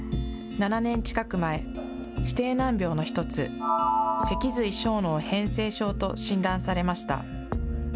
７年近く前、指定難病の一つ、脊髄小脳変性症と診断されました。